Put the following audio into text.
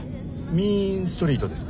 「ミーン・ストリート」ですか？